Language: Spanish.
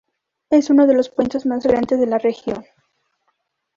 Es uno de los puentes más grandes de la región.